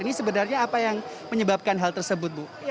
ini sebenarnya apa yang menyebabkan hal tersebut bu